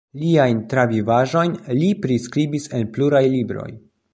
Liajn travivaĵojn li priskribis en pluraj libroj.